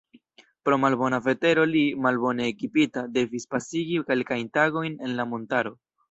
Pro malbona vetero li, malbone ekipita, devis pasigi kelkajn tagojn en la montaro.